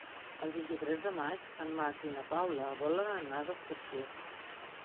El vint-i-tres de maig en Max i na Paula volen anar d'excursió.